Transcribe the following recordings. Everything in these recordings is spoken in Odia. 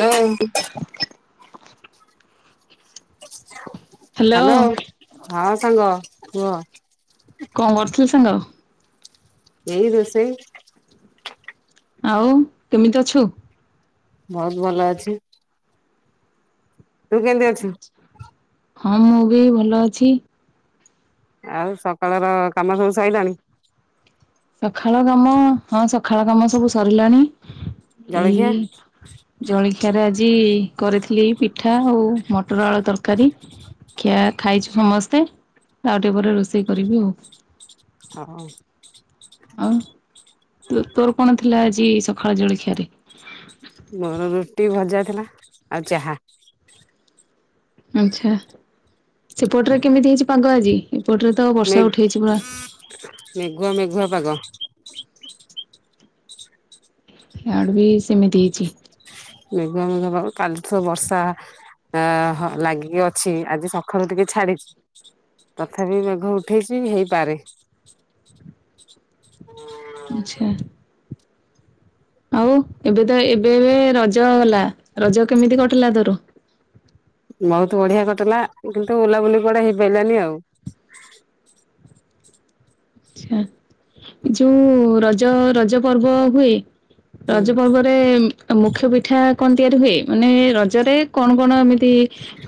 ହଁ। [inaudible] ହ୍ୟାଲୋ। ହଁ ସାଙ୍ଗ କୁହ। କଣ କରୁଥିଲୁ ସାଙ୍ଗ? ଏଇ ରୋସେଇ। ଆଉ କେମିତି ଅଛୁ? ବହୁତ ଭଲ ଅଛି। ତୁ କେମିତି ଅଛୁ? ହଁ ମୁଁ ବି ଭଲ ଅଛି। ଆଉ ସକାଳର କାମ ସବୁ ସଇଲାଣି। ସକାଳ କାମ ହଁ ସକାଳ କାମ ସବୁ ସରିଲାଣି। ଜଳଖିଆ ଏଇ ଜଳଖିଆରେ ଆଜି କରିଥିଲି ପିଠା ଆଉ ମଟର ଆଳୁ ତରକାରୀ ଖିଆର ଖାଇଛୁ ସମସ୍ତେ ଆଉ ଟିକେ ପରେ ରୋଷେଇ କରିବି ଆଉ। ହଁ ଆଉ ତୋର କଣ ଥିଲା? ଆଜି ସକାଳ ଜଳଖିଆ ରେ ମୋର ରୁଟି ଭଜା ଥିଲା ଆଉ ଚାହା। ଆଛା ସେପଟରେ କେମିତି ହେଇଛି ପାଗ ଆଜି? ଏପଟରେ ତ ମେ ବର୍ଷା ଉଠେଇଛି ପୁରା ମେଘୁଆ ମେଘୁଆ ପାଗ। ଆଡ ବି ସେମିତି ହେଇଛି। ମେଘ ମେଘ କାଲି ତ ବର୍ଷା ଅ ଲାଗିକି ଅଛି ଆଜି ସକାଳୁ ଟିକେ ଛାଡିଛି ତଥାପି ମେଘ ଉଠେଇଛି ହେଇପାରେ। ଆଚ୍ଛା ଆଉ ଏବେ ତ ଏବେବେ ରଜ ଗଲା ରଜ କେମିତି କଟିଲା ତୋର? ବହୁତ ବଢିଆ କଟିଲା କିନ୍ତୁ ଉଲାବୁଲି କୁଡେ ହେଇପାରିଲାନି ଆଉ। ଆଚ୍ଛା ଯୋଉ ରଜ ରଜ ପର୍ବ ହୁଏ। ହୁଁ ରଜ ପର୍ବରେ ମୁଖ୍ୟ ପିଠା କଣ ତିଆରି ହୁଏ ମାନେ ରଜରେ କଣ କଣ ଏମିତି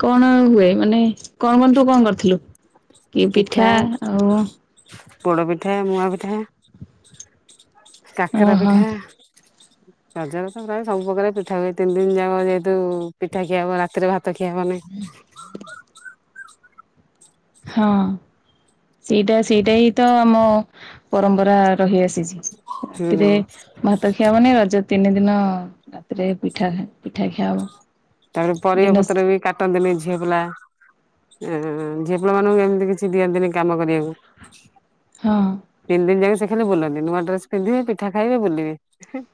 କଣ ହୁଏ ମାନେ କଣ କ ତୁ କଣ କରିଥିଲୁ। କିଏ ପିଠା ଆଉ ମୁଆଁ ପିଠା କାକରା ଓହୋ ପିଠା ରଜ ତ ପ୍ରାୟ ସବୁ ପ୍ର୍ରକାର ପିଠା ହୁଏ ତିନି ଦିନ ଯା ଯେହେତୁ ପିଠା ଖିଆବ ରାତିରେ ଭାତ ତ ଖିଆ ହବନି ହଁ ସେଇଟା ସେଇଟା ହିଁ ତ ଆମ ପରମ୍ପରା ରହିଆସିଛି। ହୁଁ ରାତିରେ ଭାତ ଖିଆ ମାନେ ରଜ ତିନି ଦିନ ରାତିରେ ପିଠା ପିଠା ଖିଆ ହବ ତାପରେ ପରିବା ଦିନ ପତ୍ର ବି କାଟନ ଦେନି ଝିଅ ପିଲା ହୁଁ ଝିଅ ପିଲା ମାନଙ୍କୁ ଏମିତି କିଛି ଦିଅନ୍ତିନି କାମ କରିବାକୁ। ହଁ ତିନି ଦିନ ଯାକ ସେ ଲେ ବୁଲନ୍ତି ନୂଆ ଡ୍ରେସ ପିନ୍ଧିବେ ପିଠା ଖାଇବେ ବୁଲିବି ହୁଁ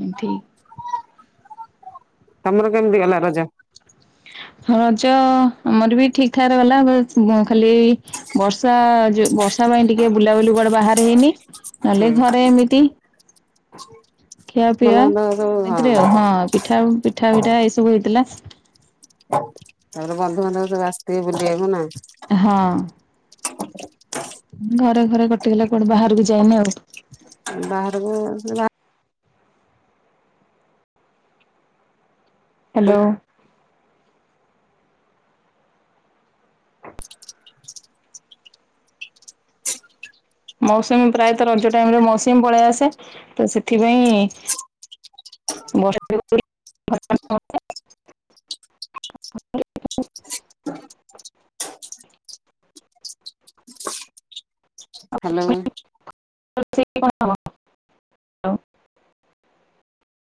ହୁଁ ଠିକ ତମର କେମିତି ଗଲା ରଜା? ରଜ ଆମର ବି ଠିକ ଠାକ ଗଲା ଖାଲି ବର୍ଷା ଯୋ ବର୍ଷା ପାଇଁ ଟିକେ ବୁଲାବୁଲି କୁଆଡେ ବାହାର ହେଇନି। ହୁଁ ନହେଲେ ଘରେ ଏମିତି ଖିଆ ଭଲ ପିଆ ମନ୍ଦ ସବୁ ଏମିତିରେ ଆଉ ହଁ ପିଠା ପିଠା ପିଠା ଏଇ ସବୁ ହେଇଥିଲା। ତାପରେ ବନ୍ଧୁବାନ୍ଧବ ସବୁ ଆସିିକି ବୁଲି ବାକୁ ନା ହଁ [inaudible] ଘରେ ଘରେ କଟିଗଲା କଣ ବାହାରକୁ ଯାଇନି ଆଉ ବାହାରକୁ ହ୍ୟାଲୋ ମୌସୁମୀ ପ୍ରାୟତଃ ରଜ ଟାଇମରେ ମୌସୁମୀ ପଳେଇ ଆସେ ତ ସେଥିପାଇଁ ବର୍ଷା ହ୍ୟାଲୋ [unintelligible]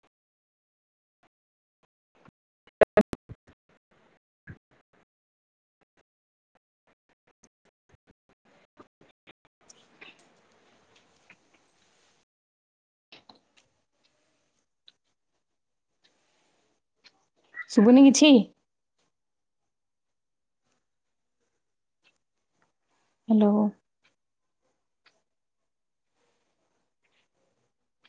ସୁବୁନି କିଛି ହ୍ୟାଲୋ।